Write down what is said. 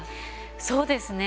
そうですね